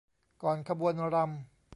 ก่อนขบวนรำ